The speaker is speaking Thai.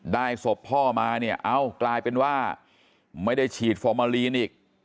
ศพพ่อมาเนี่ยเอ้ากลายเป็นว่าไม่ได้ฉีดฟอร์มาลีนอีก